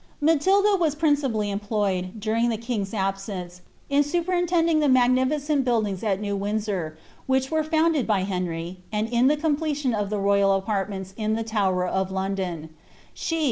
Matilda waa principally employed, during the king's absenre, in vf grintendiog the inagnilicent buildings at New Windsor, which were mided by Henry, and in the completion of thu royal apaitments in iha Tower of London. She.